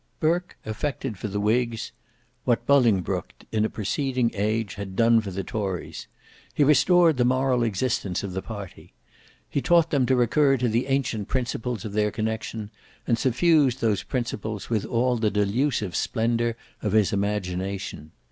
Burke effected for the whigs what Bolingbroke in a preceding age had done for the tories: he restored the moral existence of the party. He taught them to recur to the ancient principles of their connection, and suffused those principles with all the delusive splendour of his imagination.